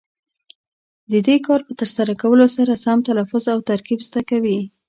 د دې کار په ترسره کولو سره سم تلفظ او ترکیب زده کوي.